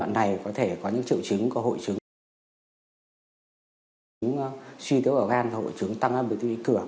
bạn này có thể có những triệu chứng có hội chứng suy tiếu ở gan và hội chứng tăng bởi tư vĩ cửa